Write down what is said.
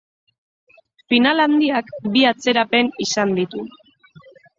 Final handiak bi atzerapen izan ditu.